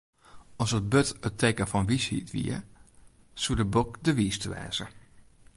As it burd it teken fan wysheid wie, soe de bok de wiiste wêze.